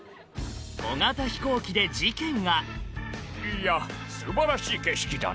小型飛行機で事件が「いや素晴らしい景色だな」